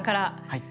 はい。